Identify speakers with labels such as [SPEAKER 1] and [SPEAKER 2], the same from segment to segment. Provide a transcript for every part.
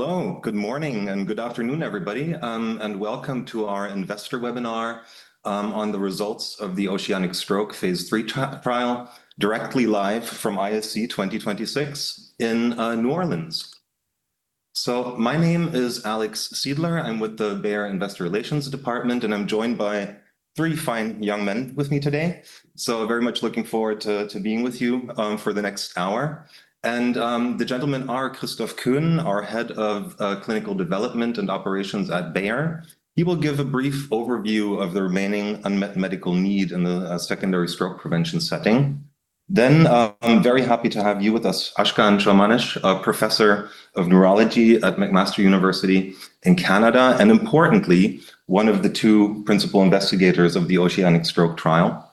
[SPEAKER 1] Hello, good morning, and good afternoon, everybody, and welcome to our investor webinar on the results of the OCEANIC-STROKE phase III trial directly live from ISC 2026 in New Orleans. So my name is Alexander Seidler. I'm with the Bayer Investor Relations Department, and I'm joined by three fine young men with me today, so very much looking forward to being with you for the next hour. The gentlemen are Christoph Koenen, our head of clinical development and operations at Bayer. He will give a brief overview of the remaining unmet medical need in the secondary stroke prevention setting. Then, very happy to have you with us, Ashkan Shoamanesh, a professor of neurology at McMaster University in Canada, and importantly, one of the two principal investigators of the OCEANIC-STROKE trial.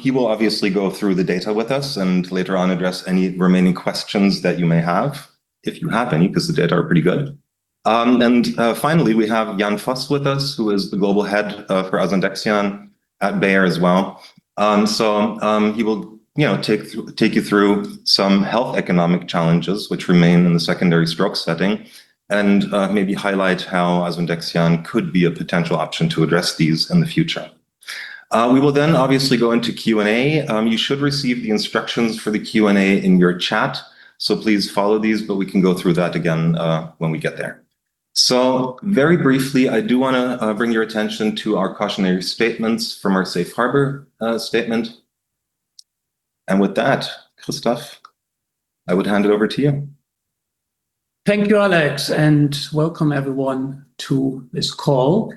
[SPEAKER 1] He will obviously go through the data with us and later on address any remaining questions that you may have, if you have any, because the data are pretty good. Finally, we have Jan Voss with us, who is the global head for asundexian at Bayer as well. He will, you know, take you through some health economic challenges which remain in the secondary stroke setting and maybe highlight how asundexian could be a potential option to address these in the future. We will then obviously go into Q&A. You should receive the instructions for the Q&A in your chat, so please follow these, but we can go through that again when we get there. Very briefly, I do want to bring your attention to our cautionary statements from our Safe Harbor statement. With that, Christoph, I would hand it over to you.
[SPEAKER 2] Thank you, Alex, and welcome everyone to this call.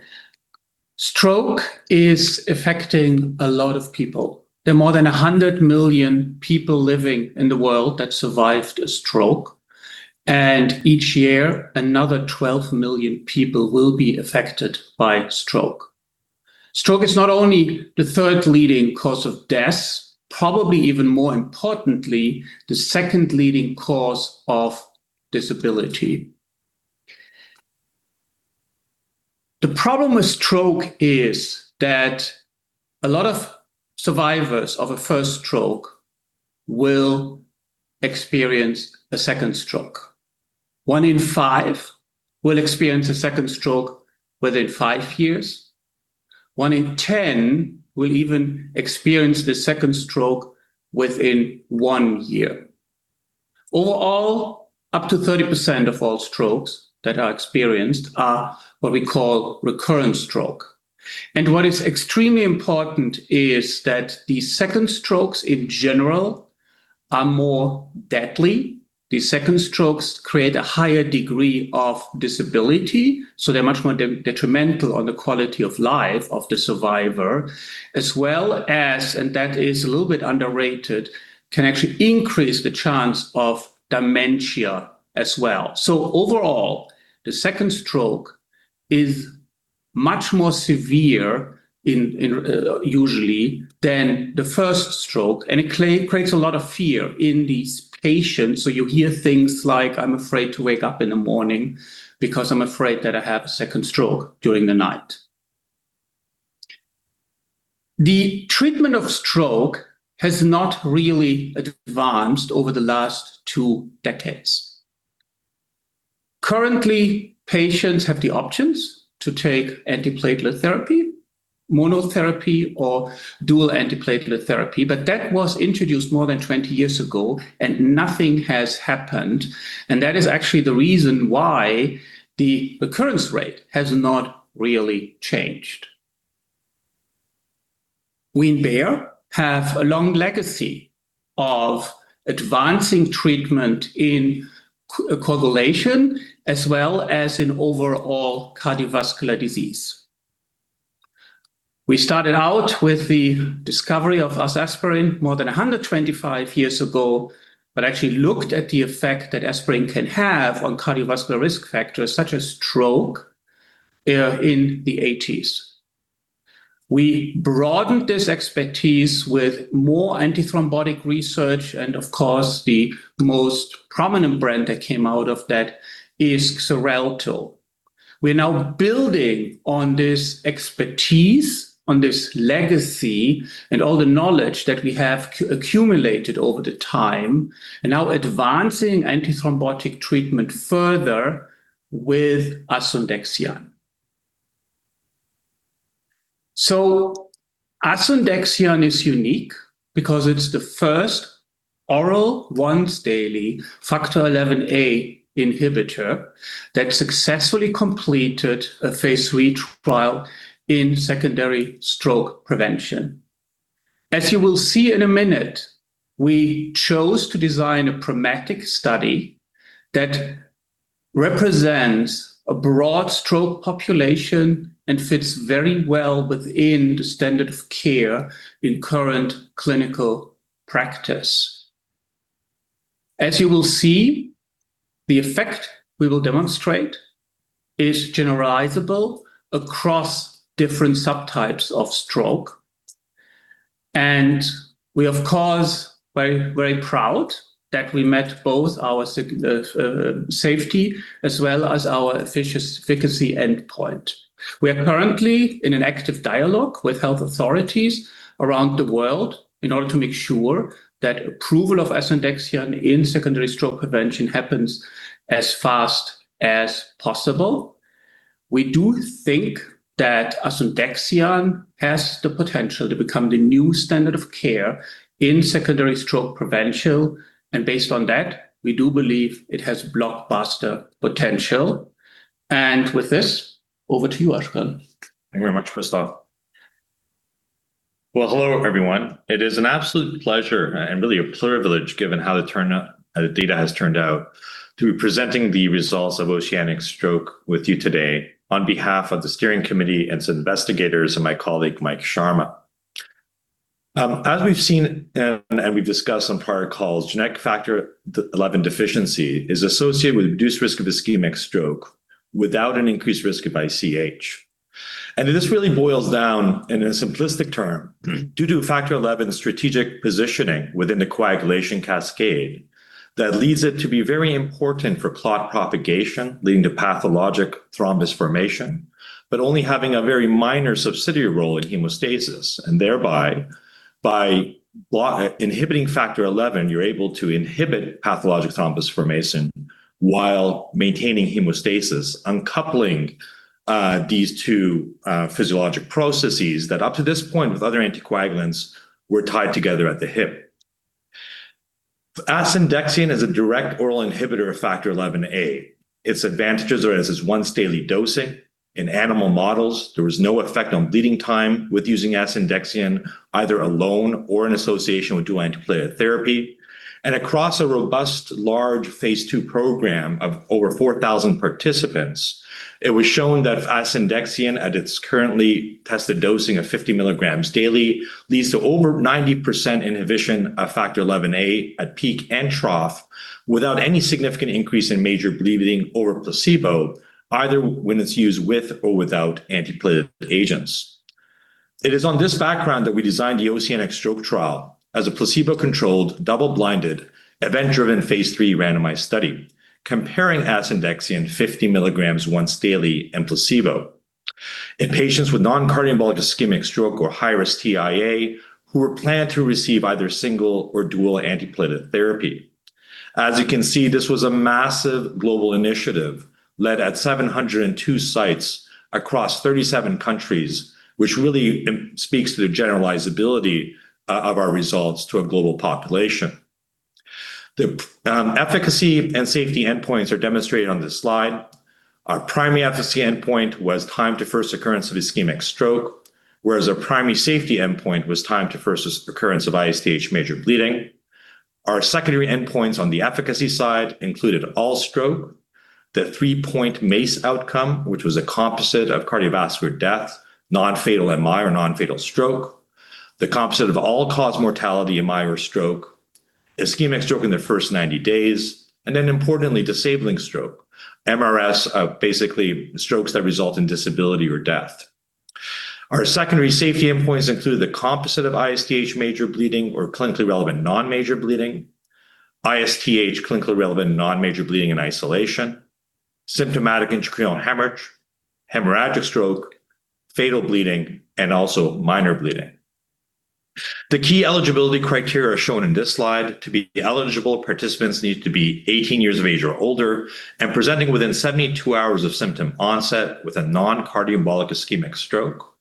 [SPEAKER 2] Stroke is affecting a lot of people. There are more than 100 million people living in the world that survived a stroke, and each year another 12 million people will be affected by stroke. Stroke is not only the third leading cause of death, probably even more importantly, the second leading cause of disability. The problem with stroke is that a lot of survivors of a first stroke will experience a second stroke. One in five will experience a second stroke within five years. One in ten will even experience the second stroke within one year. Overall, up to 30% of all strokes that are experienced are what we call recurrent stroke. And what is extremely important is that these second strokes in general are more deadly. These second strokes create a higher degree of disability, so they're much more detrimental on the quality of life of the survivor, as well as, and that is a little bit underrated, can actually increase the chance of dementia as well. So overall, the second stroke is much more severe, usually, than the first stroke, and it creates a lot of fear in these patients. So you hear things like, "I'm afraid to wake up in the morning because I'm afraid that I have a second stroke during the night." The treatment of stroke has not really advanced over the last two decades. Currently, patients have the options to take antiplatelet therapy, monotherapy, or dual antiplatelet therapy, but that was introduced more than 20 years ago, and nothing has happened. That is actually the reason why the occurrence rate has not really changed. We in Bayer have a long legacy of advancing treatment in coagulation as well as in overall cardiovascular disease. We started out with the discovery of aspirin more than 125 years ago, but actually looked at the effect that aspirin can have on cardiovascular risk factors such as stroke, in the 1980s. We broadened this expertise with more antithrombotic research, and of course, the most prominent brand that came out of that is Xarelto. We are now building on this expertise, on this legacy, and all the knowledge that we have accumulated over the time, and now advancing antithrombotic treatment further with asundexian. So asundexian is unique because it's the first oral, once daily, Factor XIa inhibitor that successfully completed a phase III trial in secondary stroke prevention. As you will see in a minute, we chose to design a pragmatic study that represents a broad stroke population and fits very well within the standard of care in current clinical practice. As you will see, the effect we will demonstrate is generalizable across different subtypes of stroke. We are, of course, very, very proud that we met both our safety as well as our efficacy endpoint. We are currently in an active dialogue with health authorities around the world in order to make sure that approval of asundexian in secondary stroke prevention happens as fast as possible. We do think that asundexian has the potential to become the new standard of care in secondary stroke prevention, and based on that, we do believe it has blockbuster potential. With this, over to you, Ashkan.
[SPEAKER 3] Thank you very much, Christoph. Well, hello everyone. It is an absolute pleasure, and really a privilege given how the turn-out, the data has turned out, to be presenting the results of OCEANIC-STROKE with you today on behalf of the steering committee and some investigators and my colleague Mike Sharma. As we've seen and, and we've discussed on prior calls, genetic Factor XI deficiency is associated with reduced risk of ischemic stroke without an increased risk of ICH. And this really boils down, in a simplistic term, due to Factor XI's strategic positioning within the coagulation cascade that leads it to be very important for clot propagation, leading to pathologic thrombus formation, but only having a very minor subsidiary role in hemostasis. By blocking Factor XI, you're able to inhibit pathologic thrombus formation while maintaining hemostasis, uncoupling these two physiologic processes that up to this point with other anticoagulants were tied together at the hip. asundexian is a direct oral inhibitor of Factor XIa. Its advantages are that it's once-daily dosing. In animal models, there was no effect on bleeding time with using asundexian, either alone or in association with dual antiplatelet therapy. Across a robust, large phase II program of over 4,000 participants, it was shown that asundexian at its currently tested dosing of 50 milligrams daily leads to over 90% inhibition of Factor XIa at peak and trough without any significant increase in major bleeding over placebo, either when it's used with or without antiplatelet agents. It is on this background that we designed the OCEANIC-STROKE trial as a placebo-controlled, double-blinded, event-driven phase III randomized study comparing asundexian 50 milligrams once daily and placebo in patients with non-cardiomyopathic ischemic stroke or high-risk TIA who were planned to receive either single or dual antiplatelet therapy. As you can see, this was a massive global initiative led at 702 sites across 37 countries, which really speaks to the generalizability of our results to a global population. The efficacy and safety endpoints are demonstrated on this slide. Our primary efficacy endpoint was time to first occurrence of ischemic stroke, whereas our primary safety endpoint was time to first occurrence of ICH major bleeding. Our secondary endpoints on the efficacy side included all stroke, the three-point MACE outcome, which was a composite of cardiovascular death, non-fatal MI or non-fatal stroke, the composite of all-cause mortality, MI or stroke, ischemic stroke in the first 90 days, and then, importantly, disabling stroke, MRS, basically strokes that result in disability or death. Our secondary safety endpoints include the composite of ICH major bleeding or clinically relevant non-major bleeding, ISTH clinically relevant non-major bleeding in isolation, symptomatic intracranial hemorrhage, hemorrhagic stroke, fatal bleeding, and also minor bleeding. The key eligibility criteria are shown in this slide. To be eligible, participants need to be 18 years of age or older and presenting within 72 hours of symptom onset with a non-cardiomyopathic ischemic stroke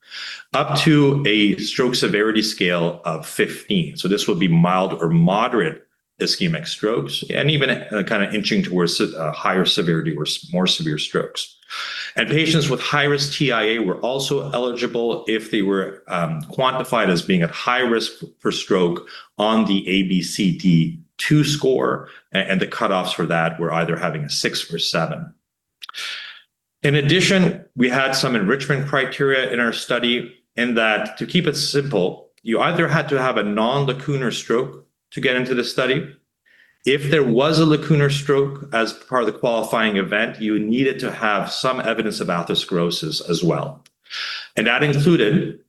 [SPEAKER 3] up to a stroke severity scale of 15. So this would be mild or moderate ischemic strokes and even kind of inching towards higher severity or more severe strokes. And patients with high-risk TIA were also eligible if they were quantified as being at high risk for stroke on the ABCD2 score, and the cutoffs for that were either having a six or seven. In addition, we had some enrichment criteria in our study in that, to keep it simple, you either had to have a non-lacunar stroke to get into the study. If there was a lacunar stroke as part of the qualifying event, you needed to have some evidence of atherosclerosis as well. And that included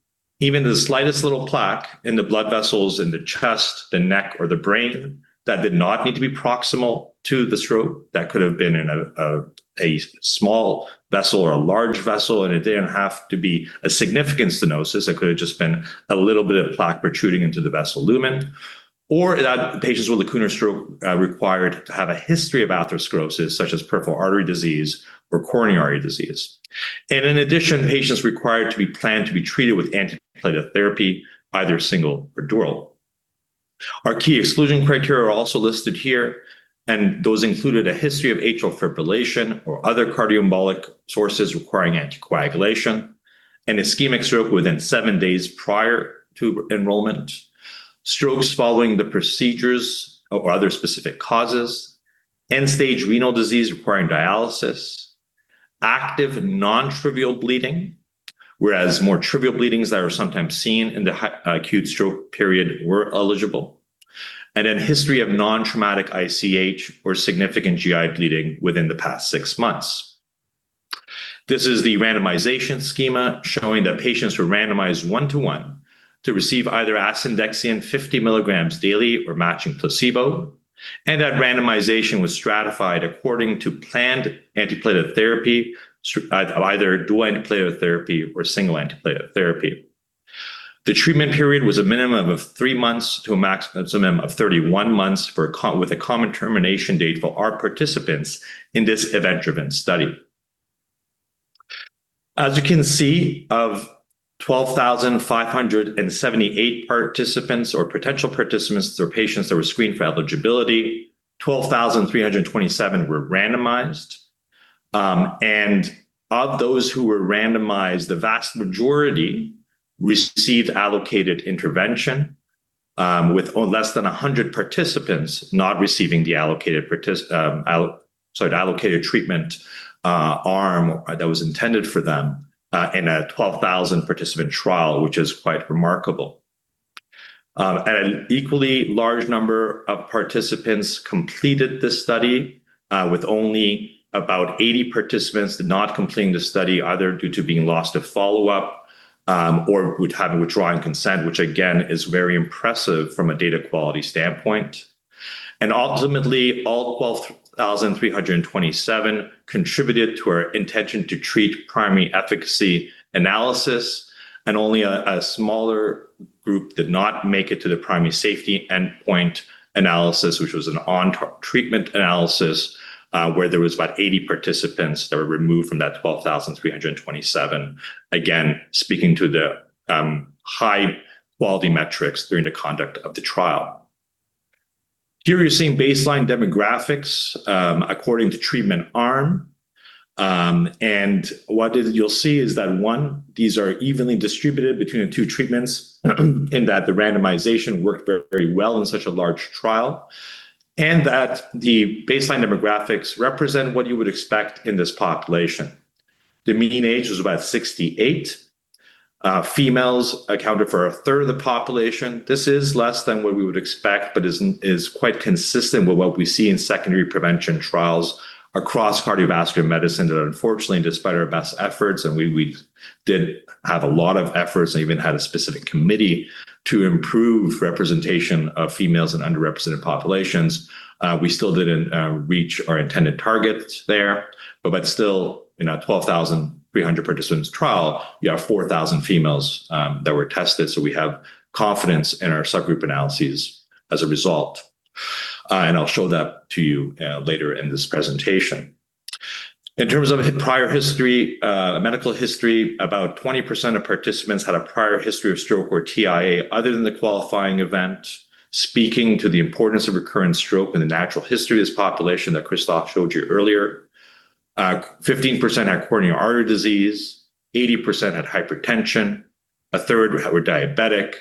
[SPEAKER 3] even the slightest little plaque in the blood vessels in the chest, the neck, or the brain that did not need to be proximal to the stroke. That could have been in a small vessel or a large vessel, and it didn't have to be a significant stenosis. It could have just been a little bit of plaque protruding into the vessel lumen. Or that patients with lacunar stroke required to have a history of atherosclerosis such as peripheral artery disease or coronary artery disease. And in addition, patients required to be planned to be treated with antiplatelet therapy, either single or dual. Our key exclusion criteria are also listed here, and those included a history of atrial fibrillation or other cardiomyopathic sources requiring anticoagulation, an ischemic stroke within 7 days prior to enrollment, strokes following the procedures or other specific causes, end-stage renal disease requiring dialysis, active non-trivial bleeding, whereas more trivial bleedings that are sometimes seen in the acute stroke period were eligible, and then history of non-traumatic ICH or significant GI bleeding within the past 6 months. This is the randomization schema showing that patients were randomized 1:1 to receive either asundexian 50 mg daily or matching placebo, and that randomization was stratified according to planned antiplatelet therapy, either dual antiplatelet therapy or single antiplatelet therapy. The treatment period was a minimum of 3 months to a maximum of 31 months for a cohort with a common termination date for our participants in this event-driven study. As you can see, of 12,578 participants or potential participants or patients that were screened for eligibility, 12,327 were randomized. Of those who were randomized, the vast majority received allocated intervention, with less than 100 participants not receiving the allocated treatment, arm that was intended for them, in a 12,000-participant trial, which is quite remarkable. An equally large number of participants completed this study, with only about 80 participants not completing the study either due to being lost to follow-up, or having withdrawn consent, which, again, is very impressive from a data quality standpoint. Ultimately, all 12,327 contributed to our intention to treat primary efficacy analysis, and only a smaller group did not make it to the primary safety endpoint analysis, which was an on-treatment analysis, where there was about 80 participants that were removed from that 12,327, again, speaking to the high-quality metrics during the conduct of the trial. Here you're seeing baseline demographics, according to treatment arm. What you'll see is that, one, these are evenly distributed between the two treatments in that the randomization worked very well in such a large trial, and that the baseline demographics represent what you would expect in this population. The mean age was about 68. Females accounted for a third of the population. This is less than what we would expect, but is quite consistent with what we see in secondary prevention trials across cardiovascular medicine that, unfortunately, despite our best efforts, and we did have a lot of efforts and even had a specific committee to improve representation of females in underrepresented populations, we still didn't reach our intended targets there. But still, in a 12,300-participant trial, you have 4,000 females that were tested, so we have confidence in our subgroup analyses as a result. And I'll show that to you later in this presentation. In terms of prior history, medical history, about 20% of participants had a prior history of stroke or TIA other than the qualifying event, speaking to the importance of recurrent stroke in the natural history of this population that Christoph showed you earlier. 15% had coronary artery disease, 80% had hypertension, a third were diabetic,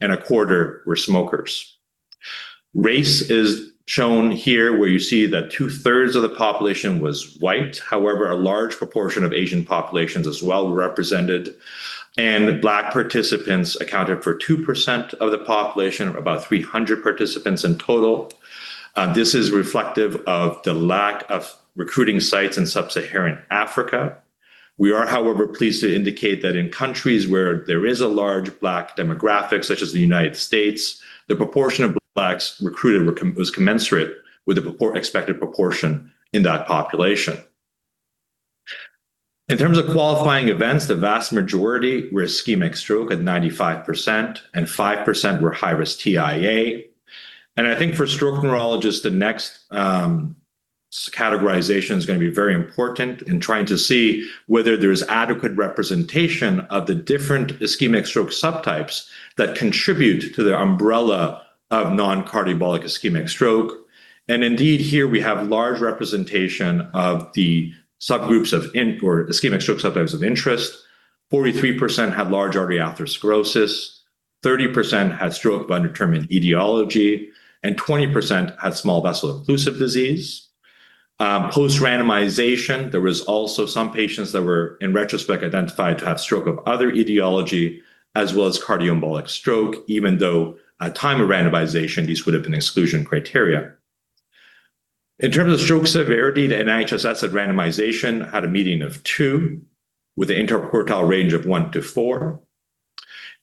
[SPEAKER 3] and a quarter were smokers. Race is shown here, where you see that two-thirds of the population was white. However, a large proportion of Asian populations as well were represented. Black participants accounted for 2% of the population, about 300 participants in total. This is reflective of the lack of recruiting sites in Sub-Saharan Africa. We are, however, pleased to indicate that in countries where there is a large Black demographic, such as the United States, the proportion of Blacks recruited was commensurate with the expected proportion in that population. In terms of qualifying events, the vast majority were ischemic stroke at 95%, and 5% were high-risk TIA. I think for stroke neurologists, the next categorization is going to be very important in trying to see whether there's adequate representation of the different ischemic stroke subtypes that contribute to the umbrella of non-cardiomyopathic ischemic stroke. And indeed, here we have large representation of the subgroups of in or ischemic stroke subtypes of interest. 43% had large artery atherosclerosis, 30% had stroke of undetermined etiology, and 20% had small vessel occlusive disease. Post-randomization, there were also some patients that were, in retrospect, identified to have stroke of other etiology as well as cardiomyopathic stroke, even though at the time of randomization, these would have been exclusion criteria. In terms of stroke severity, the NIHSS at randomization had a median of 2, with an interquartile range of 1-4.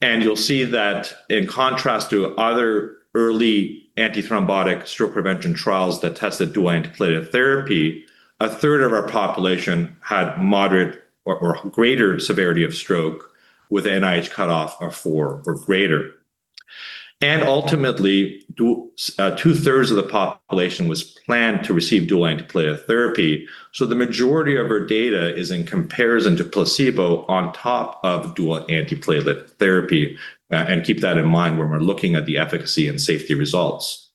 [SPEAKER 3] You'll see that, in contrast to other early antithrombotic stroke prevention trials that tested dual antiplatelet therapy, a third of our population had moderate or greater severity of stroke, with the NIH cutoff of 4 or greater. Ultimately, two-thirds of the population was planned to receive dual antiplatelet therapy. The majority of our data is in comparison to placebo on top of dual antiplatelet therapy. Keep that in mind when we're looking at the efficacy and safety results.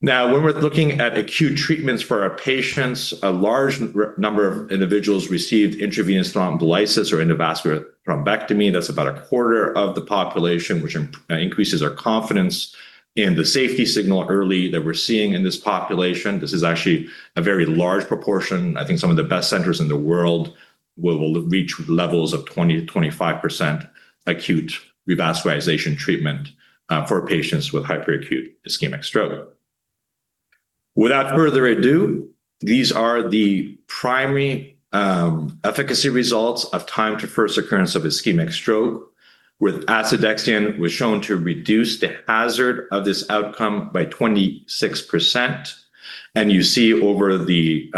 [SPEAKER 3] Now, when we're looking at acute treatments for our patients, a large number of individuals received intravenous thrombolysis or endovascular thrombectomy. That's about a quarter of the population, which increases our confidence in the safety signal early that we're seeing in this population. This is actually a very large proportion. I think some of the best centers in the world will reach levels of 20%-25% acute revascularization treatment for patients with hyperacute ischemic stroke. Without further ado, these are the primary, efficacy results of time to first occurrence of ischemic stroke, where asundexian was shown to reduce the hazard of this outcome by 26%. You see over the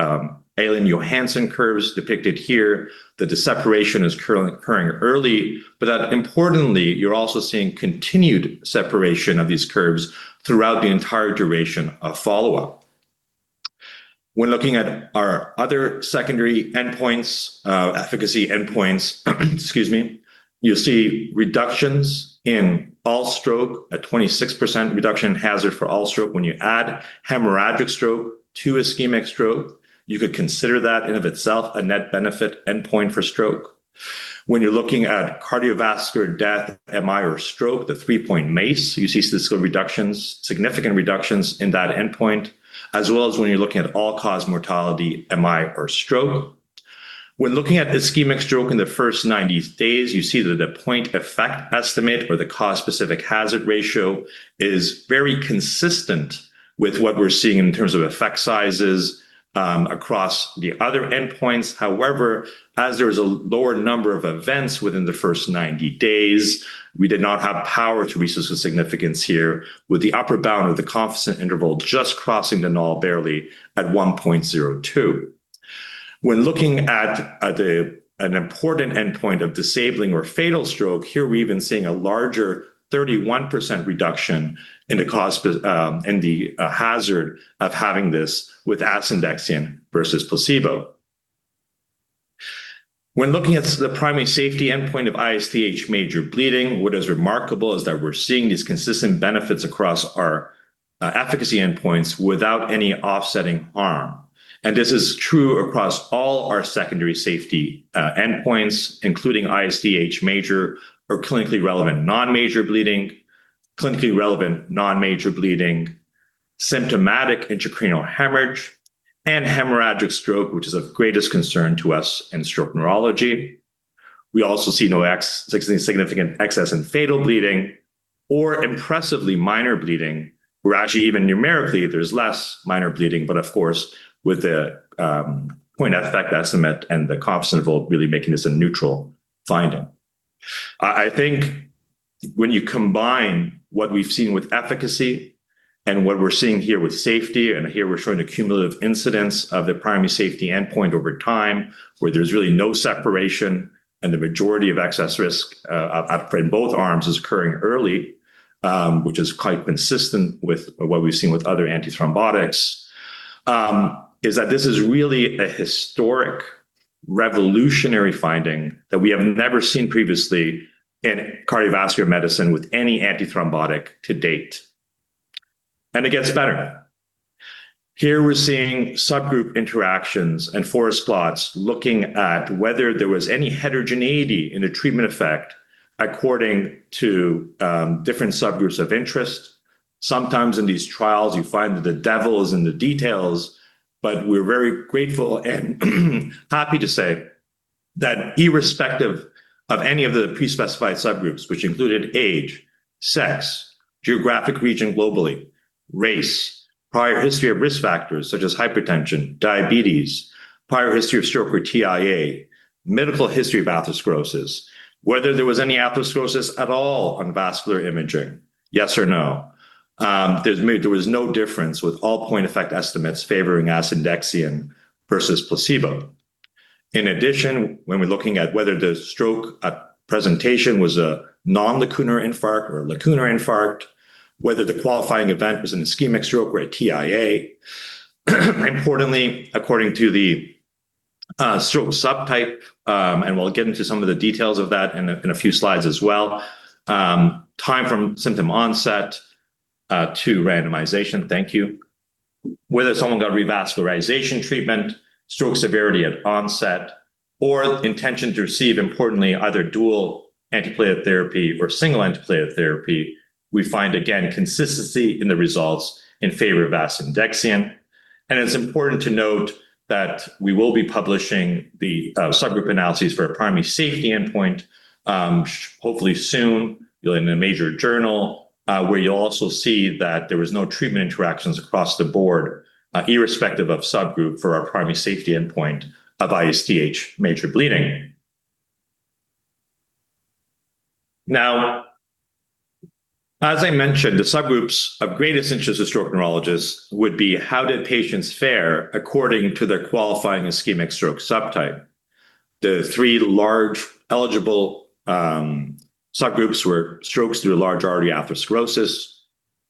[SPEAKER 3] Aalen-Johansen curves depicted here, that the separation is occurring early, but that, importantly, you're also seeing continued separation of these curves throughout the entire duration of follow-up. When looking at our other secondary endpoints, efficacy endpoints, excuse me, you'll see reductions in all stroke, a 26% reduction in hazard for all stroke. When you add hemorrhagic stroke to ischemic stroke, you could consider that, in and of itself, a net benefit endpoint for stroke. When you're looking at cardiovascular death, MI, or stroke, the three-point MACE, you see statistical reductions, significant reductions in that endpoint, as well as when you're looking at all-cause mortality, MI, or stroke. When looking at ischemic stroke in the first 90 days, you see that the point estimate or the cause-specific hazard ratio is very consistent with what we're seeing in terms of effect sizes, across the other endpoints. However, as there was a lower number of events within the first 90 days, we did not have power to reach significance here, with the upper bound of the confidence interval just crossing the null barely at 1.02. When looking at an important endpoint of disabling or fatal stroke, here we're even seeing a larger 31% reduction in the cause-specific hazard of having this with asundexian versus placebo. When looking at the primary safety endpoint of ISTH major bleeding, what is remarkable is that we're seeing these consistent benefits across our efficacy endpoints without any offsetting harm. This is true across all our secondary safety endpoints, including ISTH major or clinically relevant non-major bleeding, clinically relevant non-major bleeding, symptomatic intracranial hemorrhage, and hemorrhagic stroke, which is of greatest concern to us in stroke neurology. We also see no significant excess in fatal bleeding or impressively minor bleeding, where actually even numerically, there's less minor bleeding, but, of course, with the point-effect estimate and the confidence interval really making this a neutral finding. I think when you combine what we've seen with efficacy and what we're seeing here with safety, and here we're showing the cumulative incidence of the primary safety endpoint over time, where there's really no separation and the majority of excess risk in both arms is occurring early, which is quite consistent with what we've seen with other antithrombotics, is that this is really a historic, revolutionary finding that we have never seen previously in cardiovascular medicine with any antithrombotic to date. It gets better. Here we're seeing subgroup interactions and forest plots looking at whether there was any heterogeneity in the treatment effect according to different subgroups of interest. Sometimes in these trials, you find that the devil is in the details, but we're very grateful and happy to say that irrespective of any of the prespecified subgroups, which included age, sex, geographic region globally, race, prior history of risk factors such as hypertension, diabetes, prior history of stroke or TIA, medical history of atherosclerosis, whether there was any atherosclerosis at all on vascular imaging, yes or no, there was no difference with all point-effect estimates favoring asundexian versus placebo. In addition, when we're looking at whether the stroke presentation was a non-lacunar infarct or a lacunar infarct, whether the qualifying event was an ischemic stroke or a TIA, importantly, according to the stroke subtype, and we'll get into some of the details of that in a few slides as well, time from symptom onset to randomization, thank you, whether someone got revascularization treatment, stroke severity at onset, or intention to receive, importantly, either dual antiplatelet therapy or single antiplatelet therapy, we find, again, consistency in the results in favor of asundexian. It's important to note that we will be publishing the subgroup analyses for a primary safety endpoint, hopefully soon, in a major journal, where you'll also see that there were no treatment interactions across the board, irrespective of subgroup for our primary safety endpoint of ISTH major bleeding. Now, as I mentioned, the subgroups of greatest interest to stroke neurologists would be how did patients fare according to their qualifying ischemic stroke subtype. The three large eligible subgroups were strokes through large artery atherosclerosis,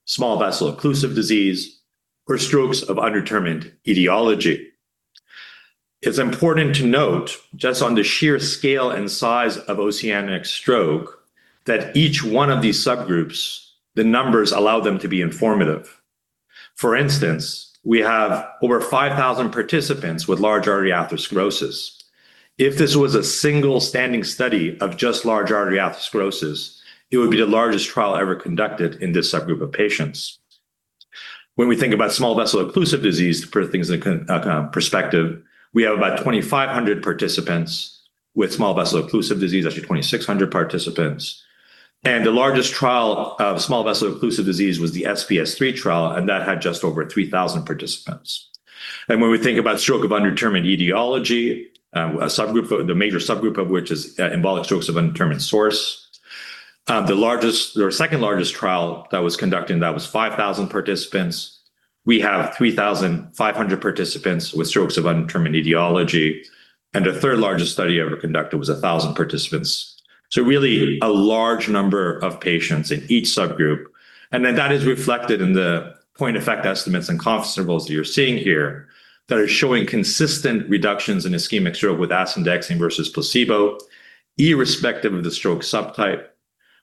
[SPEAKER 3] small vessel occlusive disease, or strokes of undetermined etiology. It's important to note, just on the sheer scale and size of OCEANIC-STROKE, that each one of these subgroups, the numbers allow them to be informative. For instance, we have over 5,000 participants with large artery atherosclerosis. If this was a single standing study of just large artery atherosclerosis, it would be the largest trial ever conducted in this subgroup of patients. When we think about small vessel occlusive disease, to put things in perspective, we have about 2,500 participants with small vessel occlusive disease, actually 2,600 participants. The largest trial of small vessel occlusive disease was the SPS3 trial, and that had just over 3,000 participants. When we think about stroke of undetermined etiology, a subgroup, the major subgroup of which is embolic strokes of undetermined source, the second largest trial that was conducted, that was 5,000 participants, we have 3,500 participants with strokes of undetermined etiology. The third largest study ever conducted was 1,000 participants. So really, a large number of patients in each subgroup. Then that is reflected in the point-effect estimates and confidence intervals that you're seeing here that are showing consistent reductions in ischemic stroke with asundexian versus placebo, irrespective of the stroke subtype,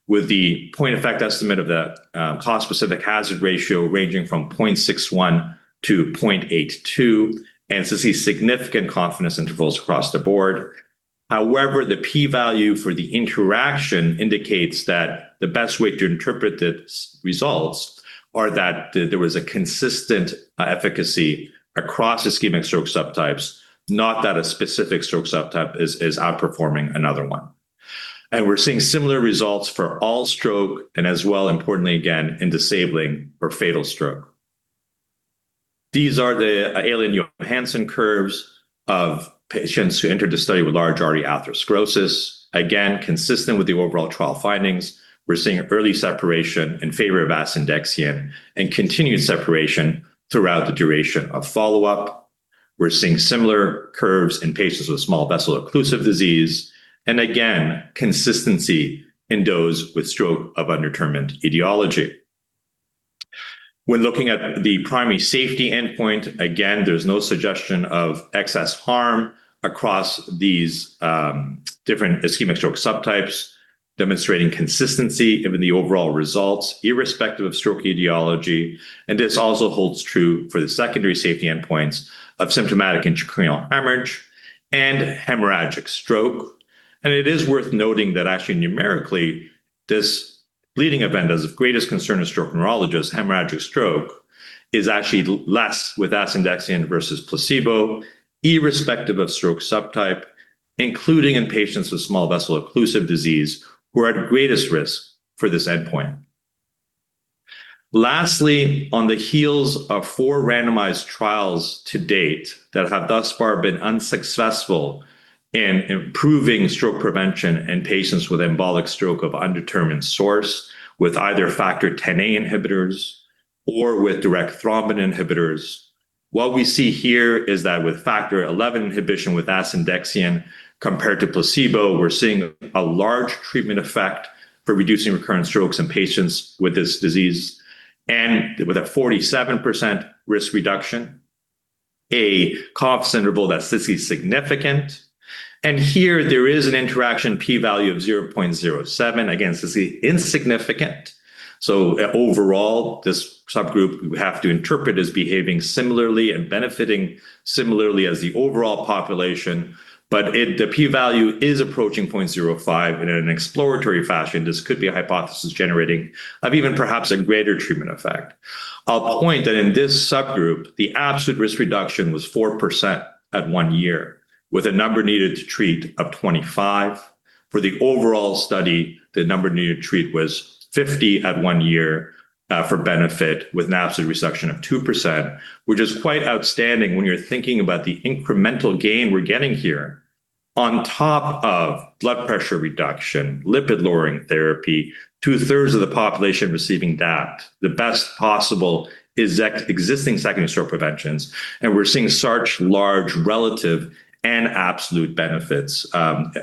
[SPEAKER 3] with the point-effect estimate of the cause-specific hazard ratio ranging from 0.61-0.82. So you see significant confidence intervals across the board. However, the p-value for the interaction indicates that the best way to interpret the results is that there was a consistent efficacy across ischemic stroke subtypes, not that a specific stroke subtype is outperforming another one. And we're seeing similar results for all stroke and as well, importantly again, in disabling or fatal stroke. These are the Aalen-Johansen curves of patients who entered the study with large artery atherosclerosis, again, consistent with the overall trial findings. We're seeing early separation in favor of asundexian and continued separation throughout the duration of follow-up. We're seeing similar curves in patients with small vessel occlusive disease. And again, consistency in those with stroke of undetermined etiology. When looking at the primary safety endpoint, again, there's no suggestion of excess harm across these, different ischemic stroke subtypes, demonstrating consistency in the overall results, irrespective of stroke etiology. This also holds true for the secondary safety endpoints of symptomatic intracranial hemorrhage and hemorrhagic stroke. It is worth noting that actually numerically, this bleeding event that is of greatest concern to stroke neurologists, hemorrhagic stroke, is actually less with asundexian versus placebo, irrespective of stroke subtype, including in patients with small vessel occlusive disease who are at greatest risk for this endpoint. Lastly, on the heels of four randomized trials to date that have thus far been unsuccessful in improving stroke prevention in patients with embolic stroke of undetermined source with either Factor Xa inhibitors or with direct thrombin inhibitors, what we see here is that with Factor XI inhibition with asundexian compared to placebo, we're seeing a large treatment effect for reducing recurrent strokes in patients with this disease and with a 47% risk reduction, a confidence interval that's statistically significant. Here, there is an interaction p-value of 0.07. Again, statistically insignificant. So overall, this subgroup, we have to interpret as behaving similarly and benefiting similarly as the overall population. But the p-value is approaching 0.05 in an exploratory fashion. This could be a hypothesis generating of even perhaps a greater treatment effect. I'll point that in this subgroup, the absolute risk reduction was 4% at one year, with a number needed to treat of 25. For the overall study, the number needed to treat was 50 at one year for benefit, with an absolute reduction of 2%, which is quite outstanding when you're thinking about the incremental gain we're getting here on top of blood pressure reduction, lipid lowering therapy, two-thirds of the population receiving DAPT, the best possible existing secondary stroke preventions. And we're seeing such large relative and absolute benefits.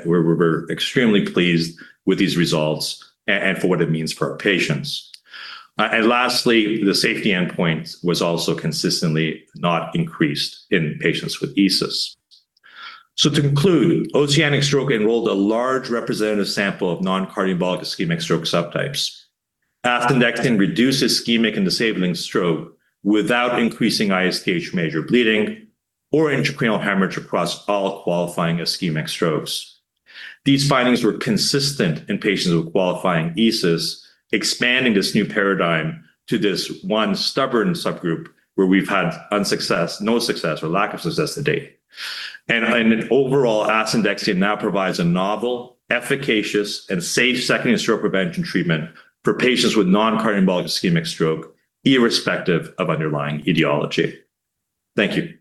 [SPEAKER 3] We're extremely pleased with these results and for what it means for our patients. And lastly, the safety endpoint was also consistently not increased in patients with ESUS. So to conclude, OCEANIC-STROKE enrolled a large representative sample of non-cardiovascular ischemic stroke subtypes. asundexian reduced ischemic and disabling stroke without increasing ISTH major bleeding or intracranial hemorrhage across all qualifying ischemic strokes. These findings were consistent in patients with qualifying ESUS, expanding this new paradigm to this one stubborn subgroup where we've had no success or lack of success to date. And overall, asundexian now provides a novel, efficacious, and safe secondary stroke prevention treatment for patients with non-cardiovascular ischemic stroke, irrespective of underlying etiology. Thank you.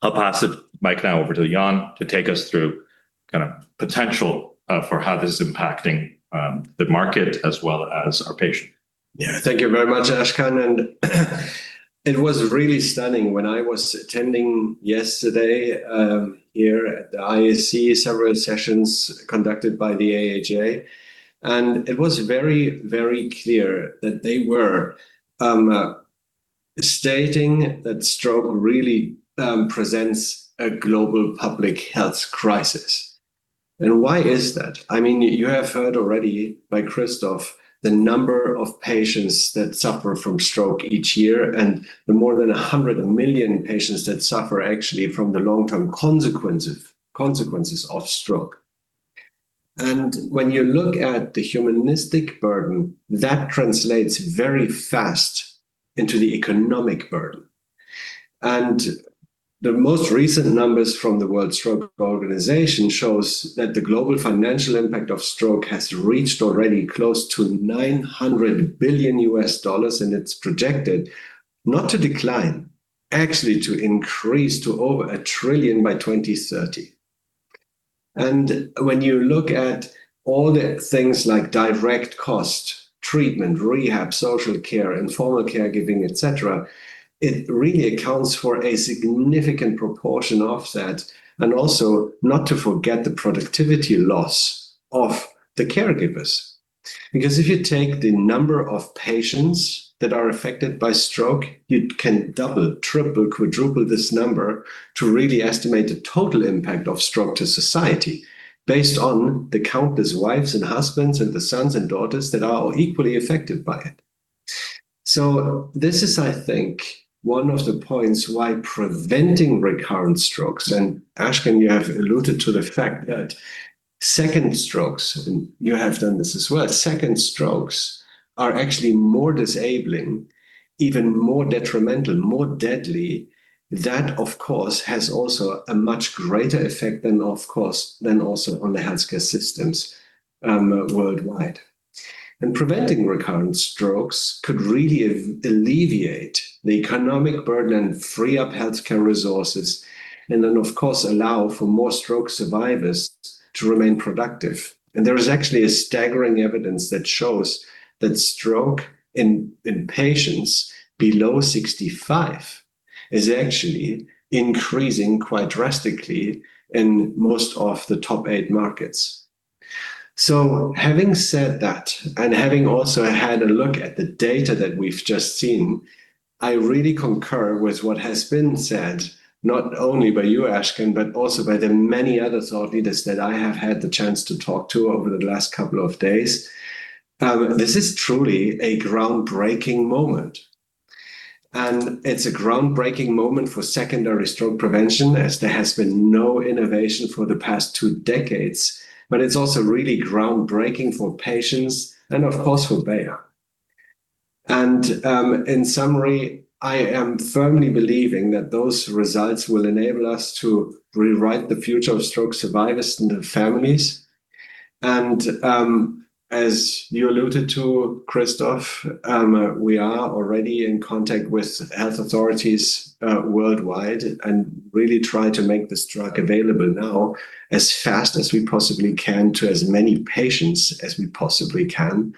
[SPEAKER 3] I'll pass the mic now over to Jan to take us through kind of potential for how this is impacting the market as well as our patients.
[SPEAKER 4] Yeah, thank you very much, Ashkan. It was really stunning when I was attending yesterday, here at the ISC, several sessions conducted by the AHA. It was very, very clear that they were stating that stroke really presents a global public health crisis. Why is that? I mean, you have heard already by Christoph the number of patients that suffer from stroke each year and the more than 100 million patients that suffer actually from the long-term consequences of stroke. When you look at the humanistic burden, that translates very fast into the economic burden. The most recent numbers from the World Stroke Organization show that the global financial impact of stroke has reached already close to $900 billion, and it's projected not to decline, actually to increase to over $1 trillion by 2030. And when you look at all the things like direct cost, treatment, rehab, social care, informal caregiving, et cetera, it really accounts for a significant proportion of that. And also, not to forget the productivity loss of the caregivers. Because if you take the number of patients that are affected by stroke, you can double, triple, quadruple this number to really estimate the total impact of stroke to society based on the countless wives and husbands and the sons and daughters that are equally affected by it. So this is, I think, one of the points why preventing recurrent strokes, and Ashkan, you have alluded to the fact that second strokes, and you have done this as well, second strokes are actually more disabling, even more detrimental, more deadly. That, of course, has also a much greater effect than, of course, than also on the healthcare systems, worldwide. Preventing recurrent strokes could really alleviate the economic burden and free up healthcare resources, and then, of course, allow for more stroke survivors to remain productive. There is actually staggering evidence that shows that stroke in patients below 65 is actually increasing quite drastically in most of the top eight markets. So having said that and having also had a look at the data that we've just seen, I really concur with what has been said, not only by you, Ashkan, but also by the many other thought leaders that I have had the chance to talk to over the last couple of days. This is truly a groundbreaking moment. It's a groundbreaking moment for secondary stroke prevention, as there has been no innovation for the past two decades. But it's also really groundbreaking for patients and, of course, for Bayer. In summary, I am firmly believing that those results will enable us to rewrite the future of stroke survivors and their families. As you alluded to, Christoph, we are already in contact with health authorities worldwide and really try to make this drug available now as fast as we possibly can to as many patients as we possibly can.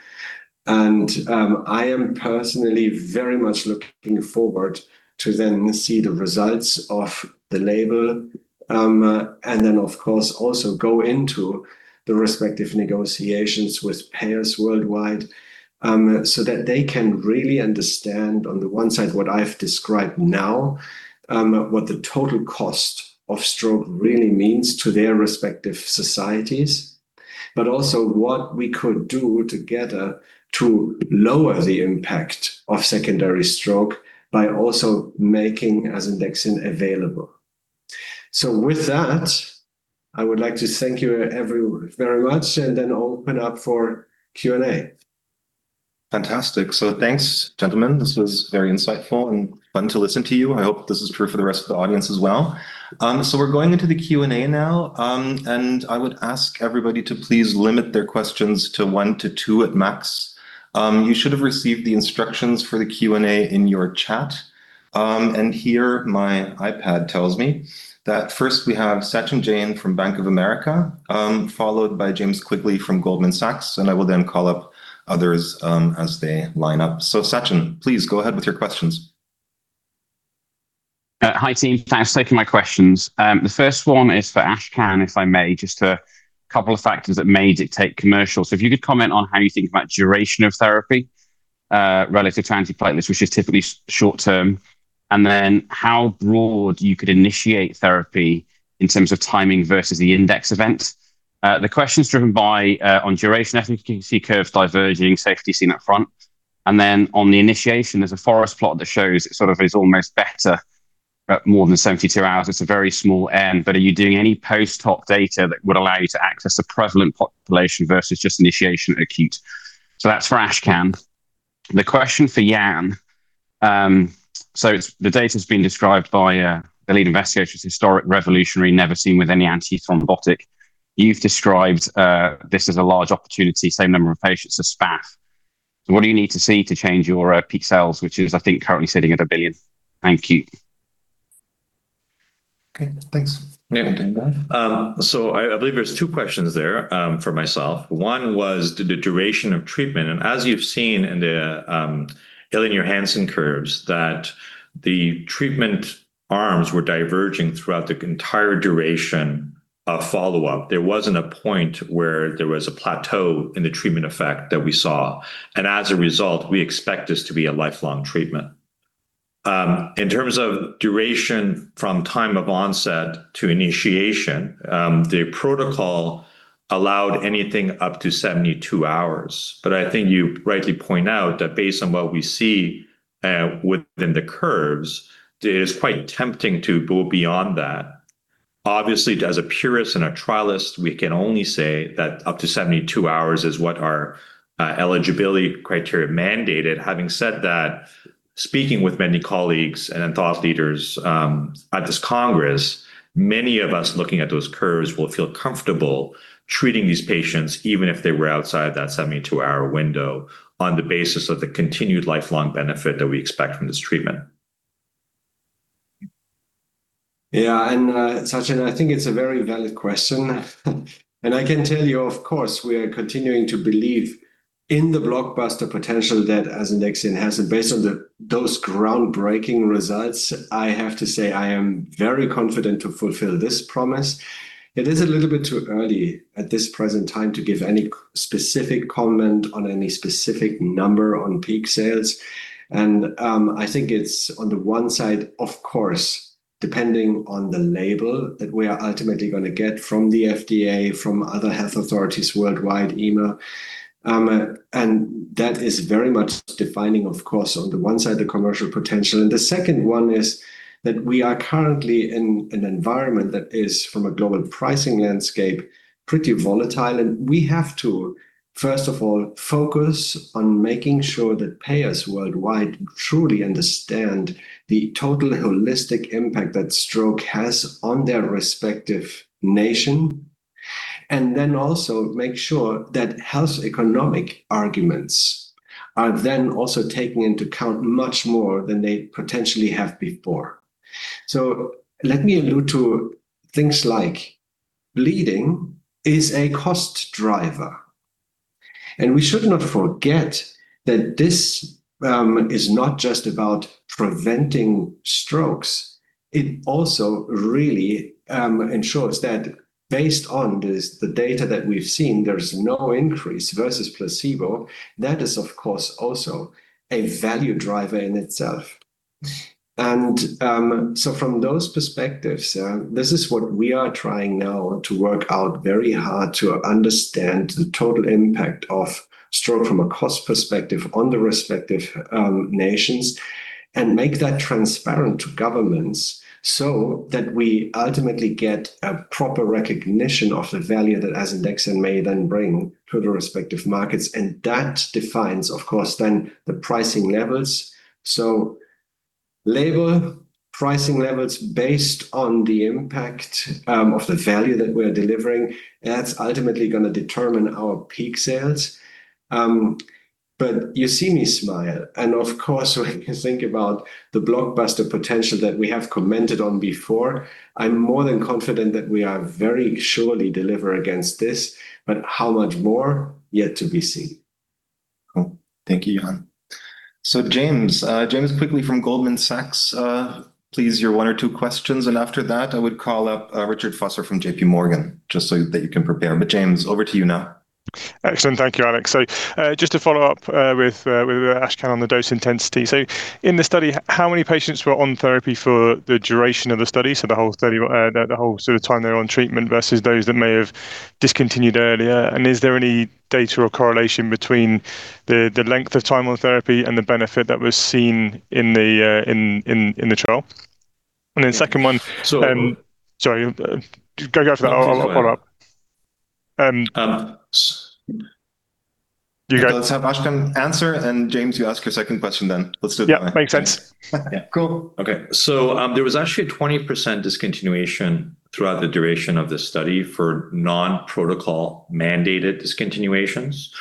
[SPEAKER 4] I am personally very much looking forward to then see the results of the label, and then, of course, also go into the respective negotiations with payers worldwide, so that they can really understand on the one side what I've described now, what the total cost of stroke really means to their respective societies, but also what we could do together to lower the impact of secondary stroke by also making asundexian available. So with that, I would like to thank you everyone very much and then open up for Q&A.
[SPEAKER 1] Fantastic. So thanks, gentlemen. This was very insightful and fun to listen to you. I hope this is true for the rest of the audience as well. So we're going into the Q&A now. And I would ask everybody to please limit their questions to one to two at max. You should have received the instructions for the Q&A in your chat. And here my iPad tells me that first we have Sachin Jain from Bank of America, followed by James Quigley from Goldman Sachs. And I will then call up others, as they line up. So Sachin, please go ahead with your questions.
[SPEAKER 5] Hi team, thanks for taking my questions. The first one is for Ashkan, if I may, just a couple of factors that made it take commercial. So if you could comment on how you think about duration of therapy, relative to antiplatelets, which is typically short term, and then how broad you could initiate therapy in terms of timing versus the index event. The question's driven by, on duration, efficacy curves diverging, safety seen up front. And then on the initiation, there's a forest plot that shows it sort of is almost better, more than 72 hours. It's a very small end. But are you doing any post-hoc data that would allow you to access a prevalent population versus just initiation acute? So that's for Ashkan. The question for Jan. So it's the data's been described by, the lead investigator, historically revolutionary, never seen with any anti-thrombotic. You've described, this as a large opportunity, same number of patients, a swath. So what do you need to see to change your peak sales, which I think is currently sitting at 1 billion? Thank you.
[SPEAKER 3] Okay, thanks. Yeah, so I believe there are two questions there for myself. One was the duration of treatment. As you've seen in the Aalen-Johansen curves, the treatment arms were diverging throughout the entire duration of follow-up. There wasn't a point where there was a plateau in the treatment effect that we saw. As a result, we expect this to be a lifelong treatment. In terms of duration from time of onset to initiation, the protocol allowed anything up to 72 hours. But I think you rightly point out that based on what we see within the curves, it is quite tempting to go beyond that. Obviously, as a purist and a trialist, we can only say that up to 72 hours is what our eligibility criteria mandated. Having said that, speaking with many colleagues and thought leaders at this Congress, many of us looking at those curves will feel comfortable treating these patients, even if they were outside of that 72-hour window, on the basis of the continued lifelong benefit that we expect from this treatment.
[SPEAKER 4] Yeah, and Sachin, I think it's a very valid question. I can tell you, of course, we are continuing to believe in the blockbuster potential that asundexian has. Based on those groundbreaking results, I have to say I am very confident to fulfill this promise. It is a little bit too early at this present time to give any specific comment on any specific number on peak sales. I think it's on the one side, of course, depending on the label that we are ultimately going to get from the FDA, from other health authorities worldwide, EMA. That is very much defining, of course, on the one side the commercial potential. The second one is that we are currently in an environment that is, from a global pricing landscape, pretty volatile. We have to, first of all, focus on making sure that payers worldwide truly understand the total holistic impact that stroke has on their respective nation, and then also make sure that health economic arguments are then also taken into account much more than they potentially have before. So let me allude to things like bleeding is a cost driver. We should not forget that this is not just about preventing strokes. It also really ensures that based on the data that we've seen, there's no increase versus placebo. That is, of course, also a value driver in itself. And so from those perspectives, this is what we are trying now to work out very hard to understand the total impact of stroke from a cost perspective on the respective nations and make that transparent to governments so that we ultimately get a proper recognition of the value that asundexian may then bring to the respective markets. And that defines, of course, then the pricing levels. So label pricing levels based on the impact of the value that we are delivering, that's ultimately going to determine our peak sales. But you see me smile. And of course, when you think about the blockbuster potential that we have commented on before, I'm more than confident that we are very surely deliver against this. But how much more? Yet to be seen.
[SPEAKER 1] Cool. Thank you, Jan. So James, James Quigley from Goldman Sachs, please your one or two questions. And after that, I would call up Richard Vosser from J.P. Morgan just so that you can prepare. But James, over to you now.
[SPEAKER 6] Excellent. Thank you, Alex. So just to follow up with Ashkan on the dose intensity. So in the study, how many patients were on therapy for the duration of the study? So the whole study, the whole sort of time they're on treatment versus those that may have discontinued earlier. And is there any data or correlation between the length of time on therapy and the benefit that was seen in the trial? And then second one. So. And sorry, go for that. I'll follow up. You go.
[SPEAKER 1] Let's have Ashkan answer. And James, you ask your second question then. Let's do that.
[SPEAKER 3] Yeah, makes sense. Yeah.
[SPEAKER 6] Cool.
[SPEAKER 3] Okay. So, there was actually a 20% discontinuation throughout the duration of this study for non-protocol mandated discontinuations.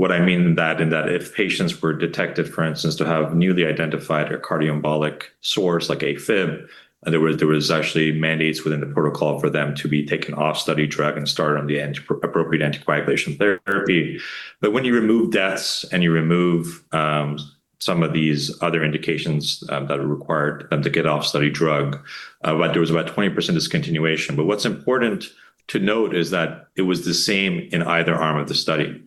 [SPEAKER 3] What I mean in that is that if patients were detected, for instance, to have newly identified a cardiomyopathic source like A-fib, and there was actually mandates within the protocol for them to be taken off-study drug and started on the appropriate anticoagulation therapy. But when you remove deaths and you remove some of these other indications that are required to get off-study drug, but there was about 20% discontinuation. But what's important to note is that it was the same in either arm of the study.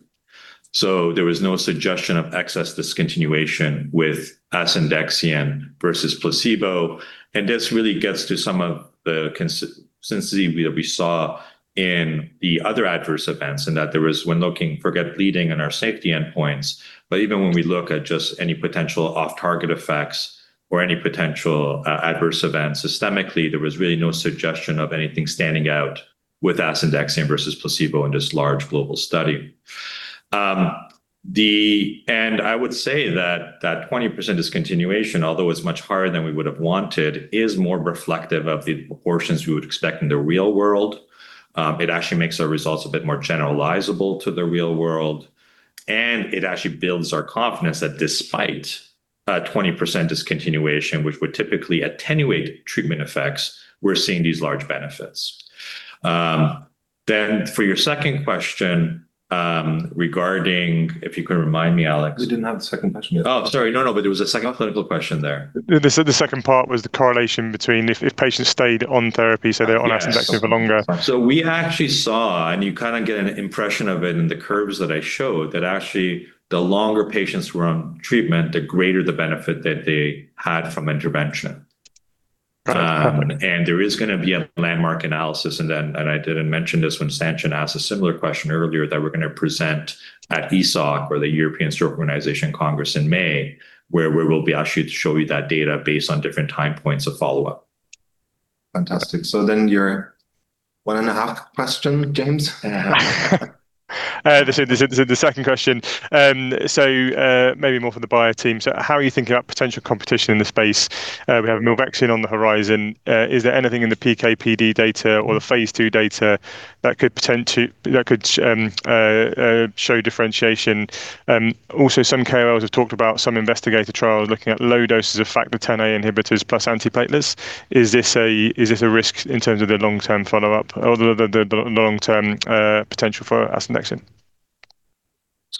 [SPEAKER 3] So there was no suggestion of excess discontinuation with asundexian versus placebo. And this really gets to some of the consistency that we saw in the other adverse events and that there was, when looking, forget bleeding and our safety endpoints. But even when we look at just any potential off-target effects or any potential adverse events systemically, there was really no suggestion of anything standing out with asundexian versus placebo in this large global study. And I would say that that 20% discontinuation, although it's much higher than we would have wanted, is more reflective of the proportions we would expect in the real world. It actually makes our results a bit more generalizable to the real world. And it actually builds our confidence that despite 20% discontinuation, which would typically attenuate treatment effects, we're seeing these large benefits. Then for your second question, regarding if you can remind me, Alex.
[SPEAKER 1] We didn't have the second question yet.
[SPEAKER 3] Oh, sorry. No, no, but there was a second clinical question there.
[SPEAKER 6] The second part was the correlation between if patients stayed on therapy, so they're on asundexian for longer.
[SPEAKER 3] So we actually saw, and you kind of get an impression of it in the curves that I showed, that actually the longer patients were on treatment, the greater the benefit that they had from intervention. And there is going to be a landmark analysis. And then and I didn't mention this when Sachin asked a similar question earlier, that we're going to present at ESOC, or the European Stroke Organization Congress, in May, where we will be asked you to show you that data based on different time points of follow-up.
[SPEAKER 1] Fantastic. So then your 1.5 question, James.
[SPEAKER 6] This is the second question. So, maybe more for the Bayer team. So how are you thinking about potential competition in the space? We have Milvexian on the horizon. Is there anything in the PKPD data or the phase II data that could potentially show differentiation? Also, some KOLs have talked about some investigator trials looking at low doses of Factor XIa inhibitors plus antiplatelets. Is this a risk in terms of the long-term follow-up or the long-term potential for asundexian?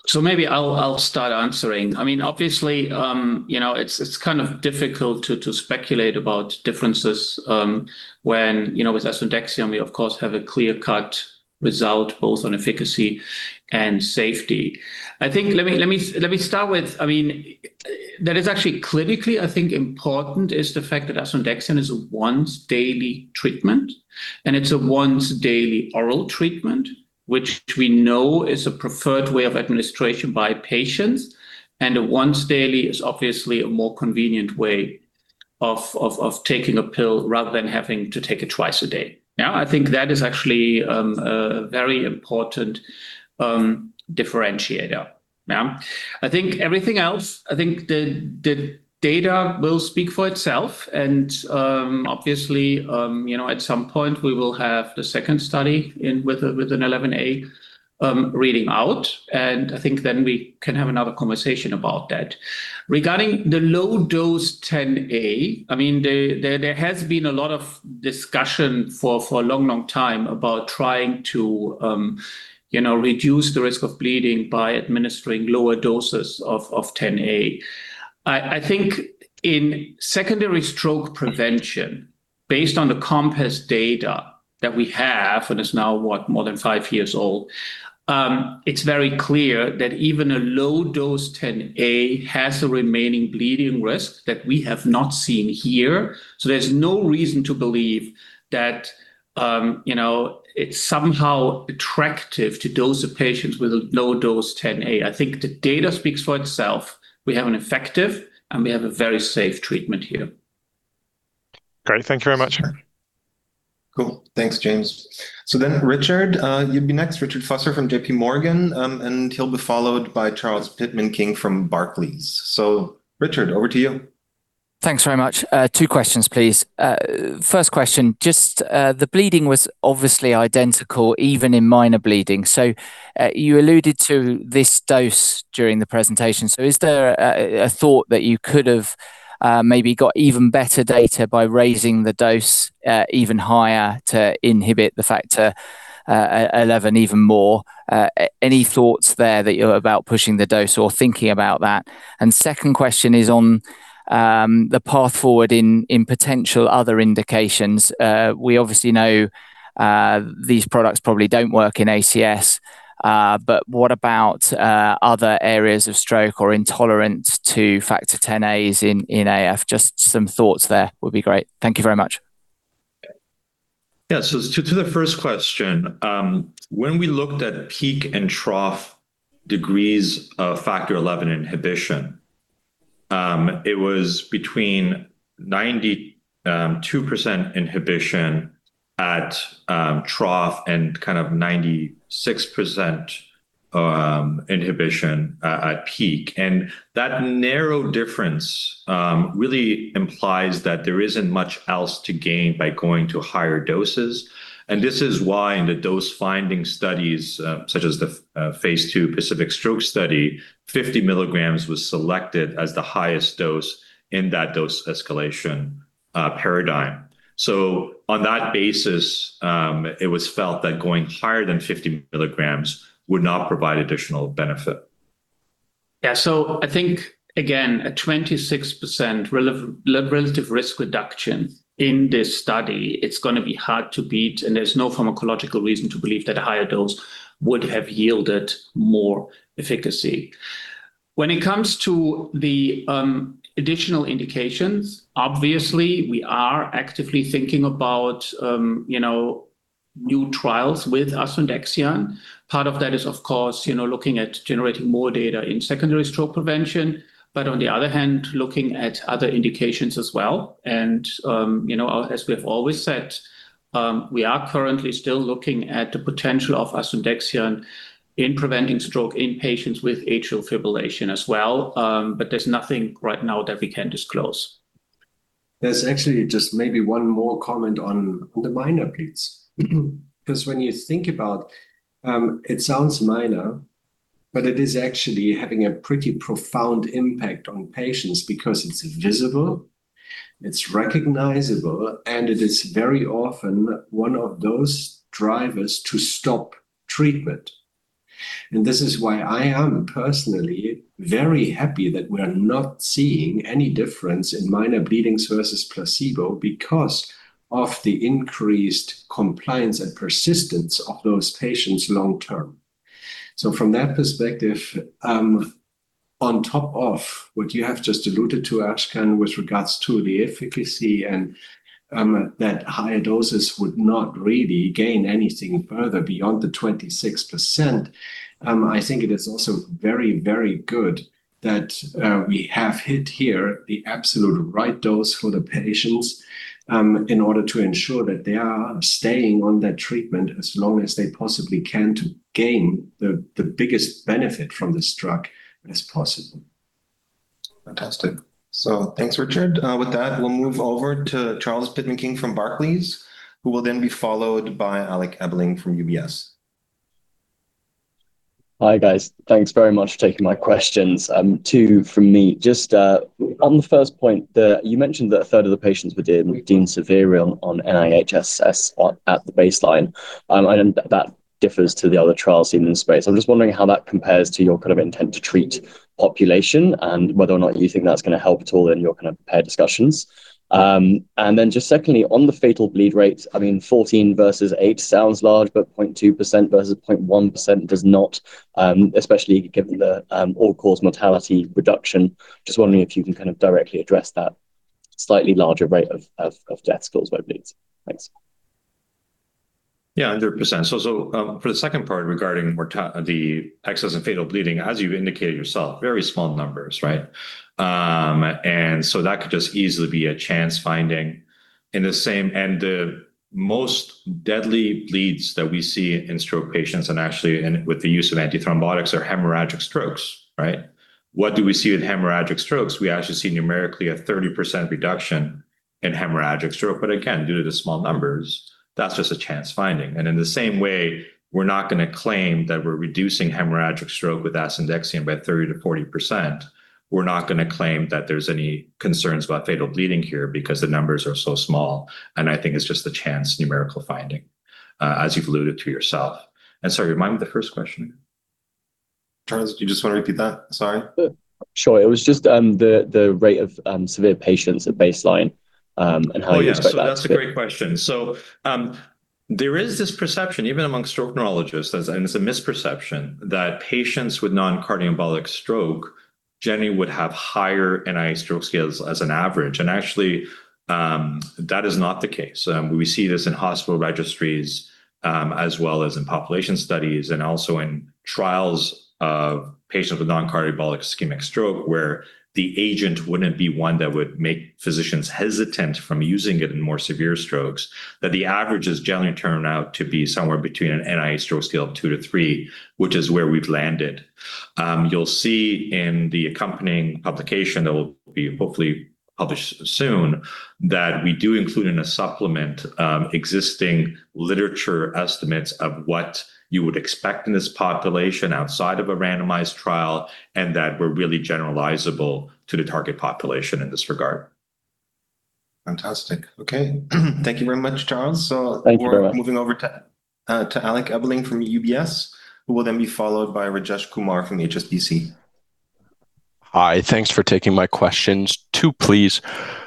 [SPEAKER 4] So maybe I'll start answering. I mean, obviously, you know, it's kind of difficult to speculate about differences. When, you know, with asundexian, we, of course, have a clear-cut result both on efficacy and safety. I think let me start with, I mean, that is actually clinically, I think, important is the fact that asundexian is a once-daily treatment. It's a once-daily oral treatment, which we know is a preferred way of administration by patients. A once-daily is obviously a more convenient way of taking a pill rather than having to take it twice a day. Yeah, I think that is actually a very important differentiator. Yeah, I think everything else, I think the data will speak for itself. Obviously, you know, at some point we will have the second study in with a with an XIa reading out. I think then we can have another conversation about that. Regarding the low-dose Factor Xa, I mean, there has been a lot of discussion for a long, long time about trying to, you know, reduce the risk of bleeding by administering lower doses of Factor Xa. I think in secondary stroke prevention, based on the COMPASS data that we have and is now, what, more than five years old, it's very clear that even a low-dose DOAC has a remaining bleeding risk that we have not seen here. So there's no reason to believe that, you know, it's somehow attractive to dose a patient with a low-dose DOAC. I think the data speaks for itself. We have an effective and we have a very safe treatment here.
[SPEAKER 6] Great. Thank you very much.
[SPEAKER 1] Cool. Thanks, James. So then Richard, you'd be next. Richard Vosser from J.P. Morgan, and he'll be followed by Charles Pitman-King from Barclays. So Richard, over to you.
[SPEAKER 7] Thanks very much. Two questions, please. First question, just, the bleeding was obviously identical, even in minor bleeding. So, you alluded to this dose during the presentation. So is there a thought that you could have maybe got even better data by raising the dose even higher to inhibit the Factor XI even more? Any thoughts there that you're about pushing the dose or thinking about that? And second question is on the path forward in potential other indications. We obviously know these products probably don't work in ACS. But what about other areas of stroke or intolerance to Factor XAs in AF? Just some thoughts there would be great. Thank you very much.
[SPEAKER 3] Yeah. So to the first question, when we looked at peak and trough degrees of Factor XI inhibition, it was between 92% inhibition at trough and kind of 96% inhibition at peak. And that narrow difference really implies that there isn't much else to gain by going to higher doses. And this is why in the dose finding studies, such as the phase II PACIFIC-STROKE study, 50 milligrams was selected as the highest dose in that dose escalation paradigm. So on that basis, it was felt that going higher than 50 milligrams would not provide additional benefit.
[SPEAKER 4] Yeah. So I think, again, a 26% relative risk reduction in this study, it's going to be hard to beat. And there's no pharmacological reason to believe that a higher dose would have yielded more efficacy. When it comes to the additional indications, obviously we are actively thinking about, you know, new trials with asundexian. Part of that is, of course, you know, looking at generating more data in secondary stroke prevention. But on the other hand, looking at other indications as well. You know, as we have always said, we are currently still looking at the potential of asundexian in preventing stroke in patients with atrial fibrillation as well. But there's nothing right now that we can disclose. There's actually just maybe one more comment on the minor bleeds. Because when you think about, it sounds minor, but it is actually having a pretty profound impact on patients because it's visible, it's recognizable, and it is very often one of those drivers to stop treatment. And this is why I am personally very happy that we are not seeing any difference in minor bleedings versus placebo because of the increased compliance and persistence of those patients long term. So from that perspective, on top of what you have just alluded to, Ashkan, with regards to the efficacy and that higher doses would not really gain anything further beyond the 26%, I think it is also very, very good that we have hit here the absolute right dose for the patients, in order to ensure that they are staying on that treatment as long as they possibly can to gain the biggest benefit from this drug as possible.
[SPEAKER 1] Fantastic. So thanks, Richard. With that, we'll move over to Charles Pitman-King from Barclays, who will then be followed by Alek Ebbeling form UBS.
[SPEAKER 8] Hi, guys. Thanks very much for taking my questions. Two from me. Just on the first point that you mentioned that a third of the patients were deemed severe on NIHSS at the baseline. That differs to the other trials in the space. I'm just wondering how that compares to your kind of intent to treat population and whether or not you think that's going to help at all in your kind of pair discussions. And then just secondly, on the fatal bleed rate, I mean, 14 versus 8 sounds large, but 0.2% versus 0.1% does not, especially given the all-cause mortality reduction. Just wondering if you can kind of directly address that slightly larger rate of death scores by bleeds. Thanks.
[SPEAKER 3] Yeah, 100%. So, for the second part regarding the excess and fatal bleeding, as you've indicated yourself, very small numbers, right? And so that could just easily be a chance finding in the same and the most deadly bleeds that we see in stroke patients and actually in with the use of antithrombotics are hemorrhagic strokes, right? What do we see with hemorrhagic strokes? We actually see numerically a 30% reduction in hemorrhagic stroke. But again, due to the small numbers, that's just a chance finding. And in the same way, we're not going to claim that we're reducing hemorrhagic stroke with asundexian by 30%-40%. We're not going to claim that there's any concerns about fatal bleeding here because the numbers are so small. And I think it's just a chance numerical finding, as you've alluded to yourself. And sorry, remind me of the first question again. Charles, do you just want to repeat that?
[SPEAKER 8] Sorry. Sure. It was just, the rate of severe patients at baseline, and how you expect that. Yeah, so that's a great question. So, there is this perception, even amongst stroke neurologists, and it's a misperception that patients with non-cardiomyopathic stroke, generally, would have higher NIH stroke scales as an average.
[SPEAKER 3] Actually, that is not the case. We see this in hospital registries, as well as in population studies and also in trials of patients with non-cardiomyopathic ischemic stroke where the agent wouldn't be one that would make physicians hesitant from using it in more severe strokes, that the average has generally turned out to be somewhere between an NIH stroke scale of 2-3, which is where we've landed. You'll see in the accompanying publication that will be hopefully published soon that we do include in a supplement, existing literature estimates of what you would expect in this population outside of a randomized trial and that we're really generalizable to the target population in this regard. Fantastic. Okay.
[SPEAKER 1] Thank you very much, Charles. So we're moving over to Alek Ebbeling from UBS, who will then be followed by Rajesh Kumar from HSBC. Hi.
[SPEAKER 9] Thanks for taking my questions too, please.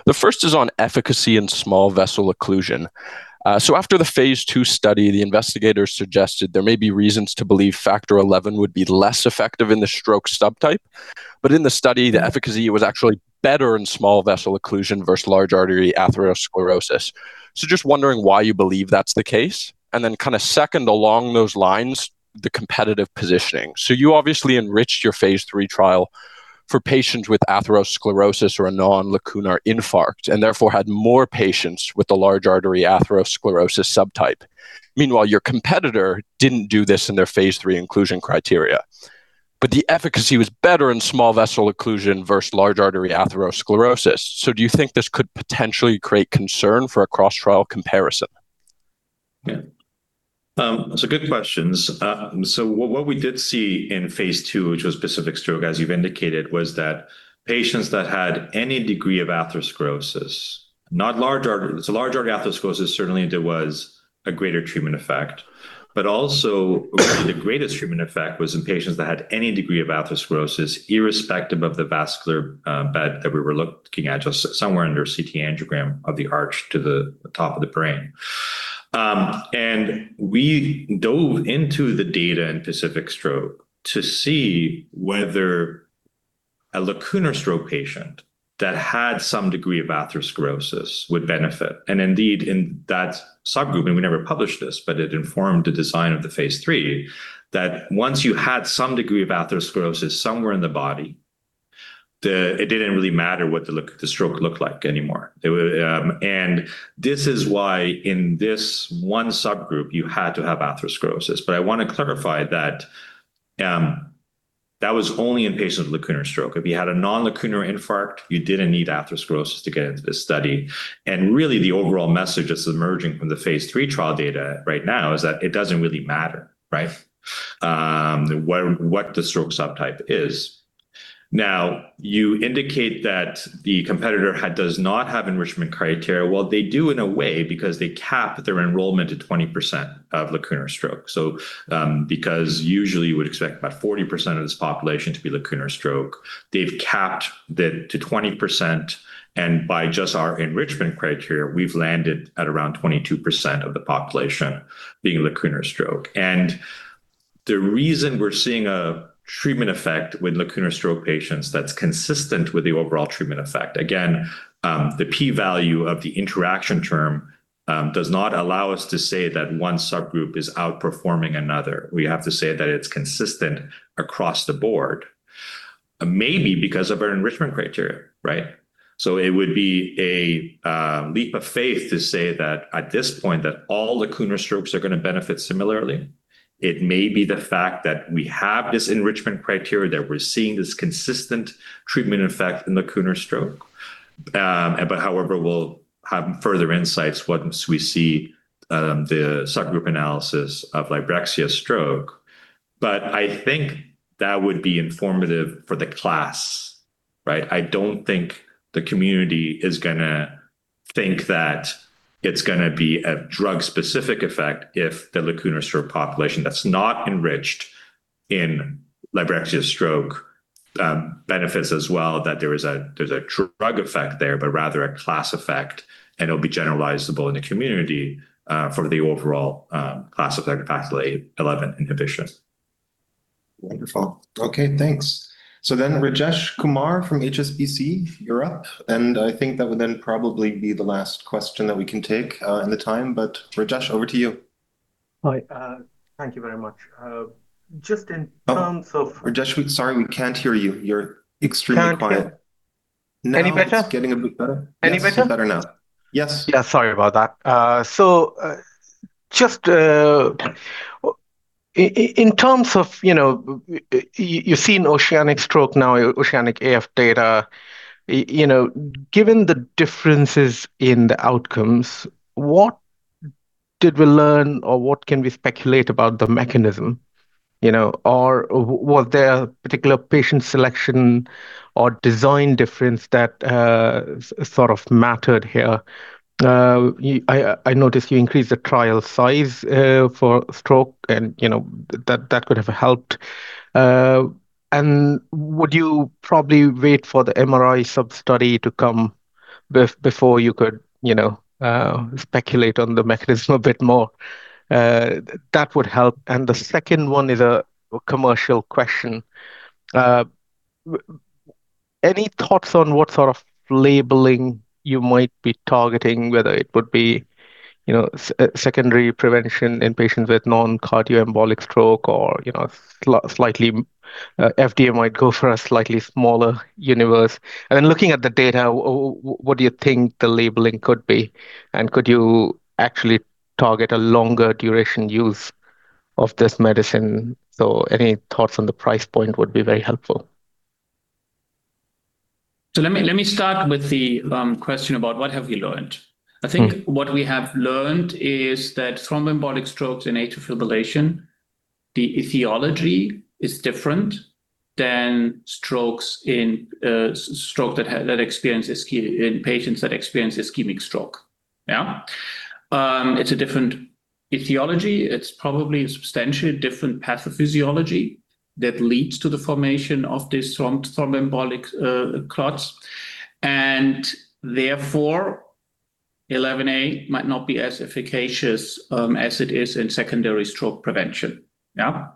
[SPEAKER 9] The first is on efficacy in small vessel occlusion. So after the phase II study, the investigators suggested there may be reasons to believe factor XI would be less effective in the stroke subtype. But in the study, the efficacy was actually better in small vessel occlusion versus large artery atherosclerosis. So just wondering why you believe that's the case. And then kind of second along those lines, the competitive positioning. So you obviously enriched your phase III trial for patients with atherosclerosis or a non-lacunar infarct and therefore had more patients with the large artery atherosclerosis subtype. Meanwhile, your competitor didn't do this in their phase III inclusion criteria. But the efficacy was better in small vessel occlusion versus large artery atherosclerosis. So do you think this could potentially create concern for a cross-trial comparison? Yeah.
[SPEAKER 3] So good questions. So what we did see in phase II, which was PACIFIC-STROKE, as you've indicated, was that patients that had any degree of atherosclerosis, not large artery, so large artery atherosclerosis, certainly there was a greater treatment effect. But also really the greatest treatment effect was in patients that had any degree of atherosclerosis, irrespective of the vascular bed that we were looking at, just somewhere under CT angiogram of the arch to the top of the brain. We dove into the data in PACIFIC-STROKE to see whether a lacunar stroke patient that had some degree of atherosclerosis would benefit. Indeed, in that subgroup, and we never published this, but it informed the design of the phase III, that once you had some degree of atherosclerosis somewhere in the body, it didn't really matter what the stroke looked like anymore. It would, and this is why in this one subgroup, you had to have atherosclerosis. But I want to clarify that, that was only in patients with lacunar stroke. If you had a non-lacunar infarct, you didn't need atherosclerosis to get into this study. And really the overall message that's emerging from the phase III trial data right now is that it doesn't really matter, right? what what the stroke subtype is. Now, you indicate that the competitor does not have enrichment criteria. Well, they do in a way because they cap their enrollment to 20% of lacunar stroke. So, because usually you would expect about 40% of this population to be lacunar stroke, they've capped it to 20%. And by just our enrichment criteria, we've landed at around 22% of the population being lacunar stroke. And the reason we're seeing a treatment effect with lacunar stroke patients that's consistent with the overall treatment effect, again, the p-value of the interaction term, does not allow us to say that one subgroup is outperforming another. We have to say that it's consistent across the board, maybe because of our enrichment criteria, right? So it would be a leap of faith to say that at this point, that all lacunar strokes are going to benefit similarly. It may be the fact that we have this enrichment criteria, that we're seeing this consistent treatment effect in lacunar stroke. But however, we'll have further insights once we see the subgroup analysis of LIBREXIA-STROKE. But I think that would be informative for the class, right? I don't think the community is going to think that it's going to be a drug-specific effect if the lacunar stroke population that's not enriched in LIBREXIA-STROKE benefits as well, that there is a there's a drug effect there, but rather a class effect. And it'll be generalizable in the community, for the overall class effect of factor XI inhibition. Wonderful. Okay. Thanks.
[SPEAKER 1] So then Rajesh Kumar from HSBC, you're up. And I think that would then probably be the last question that we can take, in the time. But Rajesh, over to you. Hi.
[SPEAKER 10] Thank you very much. Just in terms of -
[SPEAKER 1] Rajesh, sorry, we can't hear you. You're extremely quiet.
[SPEAKER 10] Any better?
[SPEAKER 1] It's getting better now. Yes. Yeah.
[SPEAKER 10] Sorry about that. So, just in terms of, you know, you see in OCEANIC-STROKE now, OCEANIC-AF data, you know, given the differences in the outcomes, what did we learn or what can we speculate about the mechanism? You know, or was there a particular patient selection or design difference that sort of mattered here? I noticed you increased the trial size for stroke. And, you know, that could have helped. And would you probably wait for the MRI substudy to come before you could, you know, speculate on the mechanism a bit more? That would help. And the second one is a commercial question. Any thoughts on what sort of labeling you might be targeting, whether it would be, you know, secondary prevention in patients with non-cardiomyopathic stroke or, you know, slightly, FDA might go for a slightly smaller universe. And then looking at the data, what do you think the labeling could be? And could you actually target a longer duration use of this medicine? So any thoughts on the price point would be very helpful.
[SPEAKER 4] So let me let me start with the question about what have we learned. I think what we have learned is that thromboembolic strokes and atrial fibrillation, the etiology is different than strokes in stroke that had that experience in patients that experience ischemic stroke. Yeah. It's a different etiology. It's probably a substantially different pathophysiology that leads to the formation of these thromboembolic clots. And therefore, XIa might not be as efficacious as it is in secondary stroke prevention. Yeah.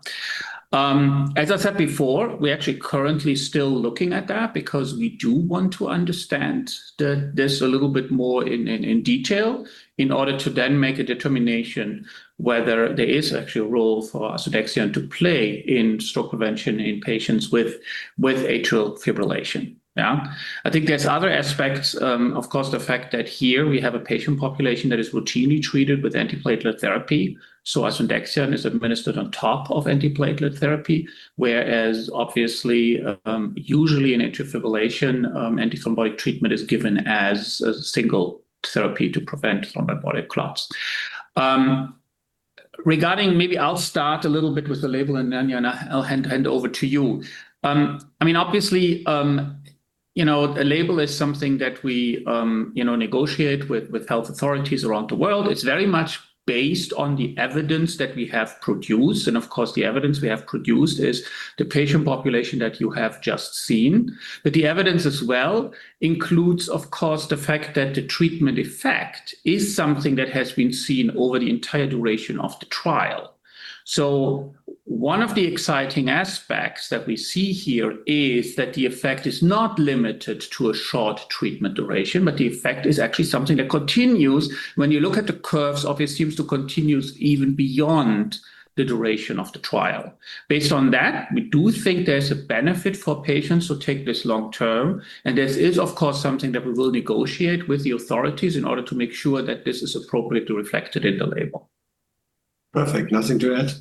[SPEAKER 4] As I said before, we actually currently still looking at that because we do want to understand that this a little bit more in detail in order to then make a determination whether there is actually a role for asundexian to play in stroke prevention in patients with atrial fibrillation. Yeah. I think there's other aspects, of course, the fact that here we have a patient population that is routinely treated with antiplatelet therapy. So asundexian is administered on top of antiplatelet therapy, whereas obviously, usually in atrial fibrillation, antithrombotic treatment is given as a single therapy to prevent thromboembolic clots. Regarding maybe I'll start a little bit with the label and then I'll hand over to you. I mean, obviously, you know, a label is something that we, you know, negotiate with health authorities around the world. It's very much based on the evidence that we have produced. And of course, the evidence we have produced is the patient population that you have just seen. But the evidence as well includes, of course, the fact that the treatment effect is something that has been seen over the entire duration of the trial. So one of the exciting aspects that we see here is that the effect is not limited to a short treatment duration, but the effect is actually something that continues. When you look at the curves, obviously it seems to continue even beyond the duration of the trial. Based on that, we do think there's a benefit for patients to take this long term. And this is, of course, something that we will negotiate with the authorities in order to make sure that this is appropriately reflected in the label.
[SPEAKER 1] Perfect. Nothing to add.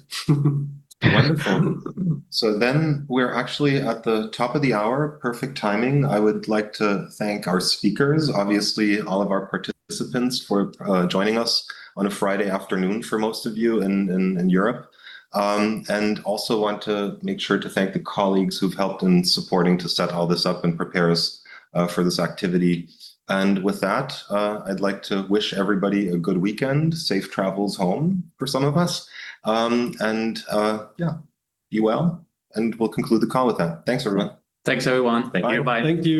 [SPEAKER 1] Wonderful. So then we're actually at the top of the hour. Perfect timing. I would like to thank our speakers, obviously all of our participants for joining us on a Friday afternoon for most of you in Europe, and also want to make sure to thank the colleagues who've helped in supporting to set all this up and prepare us for this activity. And with that, I'd like to wish everybody a good weekend, safe travels home for some of us, and, yeah, be well. And we'll conclude the call with that. Thanks, everyone. Thanks, everyone. Thank you. Bye. Thank you.